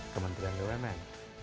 kementerian dewan men